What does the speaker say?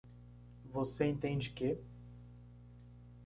Você entende que?